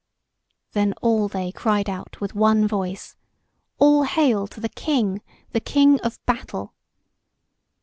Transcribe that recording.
Then all they cried out with one voice: "All hail to the King, the King of Battle!"